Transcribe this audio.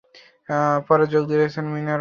পরে যোগ দিয়েছিলেন মিনার্ভায়।